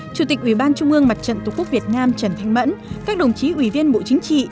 chủ tịch ủy ban trung ương mặt trận tổ quốc việt nam trần thanh mẫn các đồng chí ủy viên bộ chính trị